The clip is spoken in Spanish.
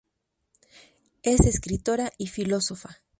Es escritora y filósofa.